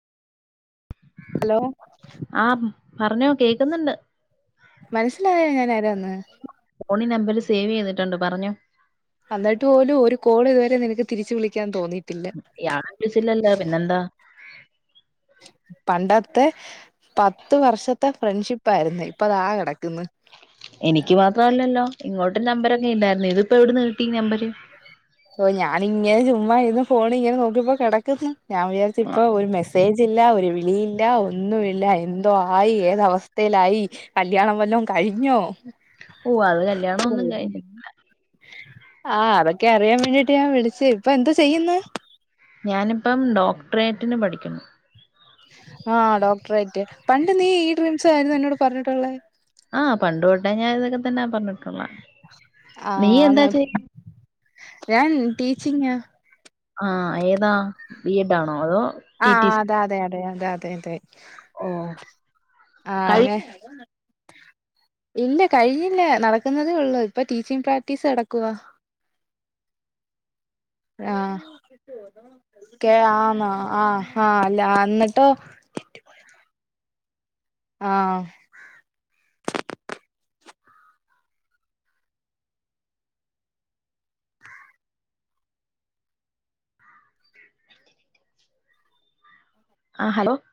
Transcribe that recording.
hello ആഹ് പറഞ്ഞോ കേക്കുന്നുണ്ട് മനസ്സിലായോ ഞാൻ ആരാന്ന് ഫോണി ഈ നമ്പര് സേവ് ചെയ്തിട്ടുണ്ട് പറഞ്ഞോ അന്നിട്ട് പോലും ഒരു കോൾ ഇതുവരെ നിനക്ക് തിരിച്ചു വിളിക്കാൻ തോന്നിയിട്ടില്ല ഇയാളു വിളിച്ചില്ലല്ലോ പിന്നെന്താ പണ്ടത്തെ പത്ത് വർഷത്തെ ഫ്രണ്ട്ഷിപ്പ് ആയിരുന്നു ഇപ്പ താ കിടക്കുന്നു എനിക്ക് മാത്രല്ലല്ലോ ഇങ്ങോട്ട് നമ്പർക്കെ ഇണ്ടായിരുന്നു ഇതിപ്പോ എവിടെ കിട്ടി നമ്പര് ഓ ഞാനിങ്ങനെ ചുമ്മ ഇരുന്ന് ഫോണ് ഇങ്ങനെ നോക്കിപ്പോ കിടക്കുന്നു ഞാൻ വിചാരിച്ച ഇപ്പൊ ആഹ് ഒരു മെ സേജില്ല ഒരു വിളിയില്ല ഒന്നുമില്ല എന്തോ ആയി ഏത അവസ്ഥയിൽ ലായി കല്യാണം വല്ലോം കഴിഞ്ഞോ ഓ അത് കല്യാണ ഒന്നും കഴിഞ്ഞില്ല ആഹ് അതൊക്കെ അറിയാൻ വേണ്ടീട്ട് ഞാൻ വിളിച്ച ഇപ്പൊ എന്താ ചെയ്യുന്നു ഞാനിപ്പം ഡോക്ടറേറ്റിന് പഠിക്കുന്നു ആഹ് ഡോക്ടറേറ്റ് പണ്ട് നീ ഈ ഡ്രീംസ് ആയിരുന്നു എന്നോട് പറഞ്ഞിട്ടുള്ളത് ആ പണ്ട് തൊട്ടേ ഞാൻ ഇതൊക്കെ തന്നെ പറഞ്ഞിട്ടുള്ളെ നീ എന്താ ആന്ന് ചെയ്യ് ഞാൻ ടീച്ചിങ ആഹ് ഏതാ ബീഎഡാണോ അതോ ടി ടി സി ആഹ്അത അതെ അതെ അതെ അതെ ഓഹ് ആഹ് കഴി പിന്നെ ഇല്ല കഴിഞ്ഞില്ല നടക്കുന്നതേ ഉള്ളൂ ഇപ്പൊ ടീച്ചിങ് പ്രാക്ടീസ് നടക്കുവ ആഹ് ഒകെ ആന്നോ ആഹ് ആഹ് അല്ല എന്നിട്ടൊ ആഹ് ആഹ് ഹലോ